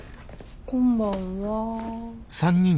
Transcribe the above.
こんばんは。